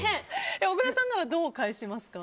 小倉さんならどう返しますか？